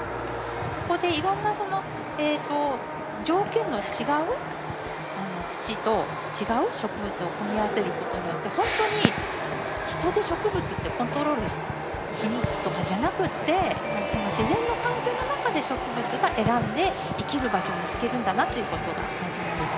ここでいろんな条件の違う土と違う植物を組み合わせることによってほんとに人で植物ってコントロールするとかじゃなくてその自然の環境の中で植物が選んで生きる場所を見つけるんだなということが感じました。